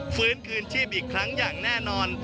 ฟื้นคืนชีพอีกครั้งอย่างแน่นอน